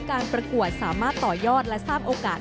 ประกวดสามารถต่อยอดและสร้างโอกาส